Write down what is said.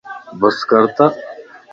بس ڪرت